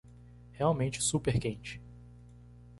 Realmente super quente